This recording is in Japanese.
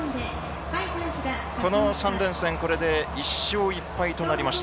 この３連戦これで１勝１敗となりました。